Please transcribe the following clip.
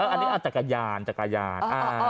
อันนี้จักรยาน